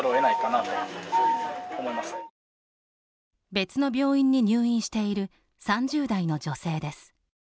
別の病院に入院している３０代の女性です。